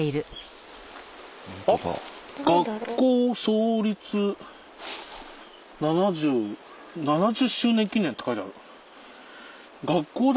「学校創立七十周年記念」って書いてある。